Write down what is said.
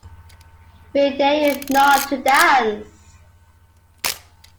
We dare you not to dance!